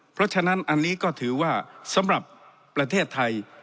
เพราะฉะนั้นอันนี้ก็ถือว่าสำหรับประเทศไทย